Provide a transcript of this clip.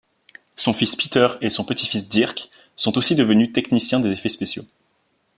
Son fils Peter et son petit-fils Dirk sont aussi devenus technicien des effets spéciaux.